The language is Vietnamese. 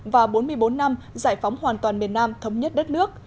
và bốn mươi bốn năm giải phóng hoàn toàn miền nam thống nhất đất nước